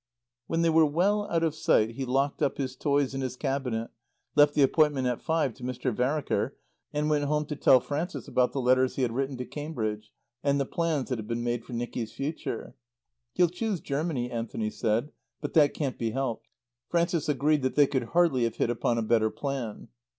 When they were well out of sight he locked up his toys in his cabinet, left the appointment at five to Mr. Vereker, and went home to tell Frances about the letters he had written to Cambridge and the plans that had been made for Nicky's future. "He'll choose Germany," Anthony said. "But that can't be helped." Frances agreed that they could hardly have hit upon a better plan.